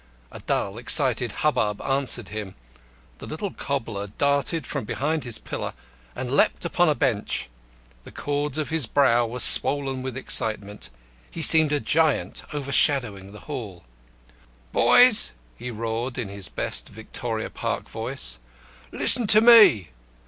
A dull excited hubbub answered him. The little cobbler darted from behind his pillar, and leapt upon a bench. The cords of his brow were swollen with excitement. He seemed a giant overshadowing the hall. "Boys!" he roared, in his best Victoria Park voice, "listen to me.